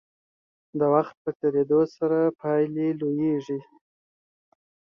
د وخت په تیریدو سره پایلې لویېږي.